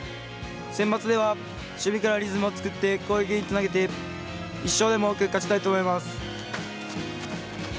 センバツでは守備からリズムを作って攻撃につなげて１勝でも多く勝ちたいと思います。